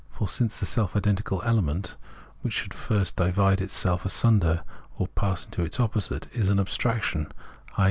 For since the self identical element, which should first divide itself asunder or pass into its opposite, is an abstraction, i.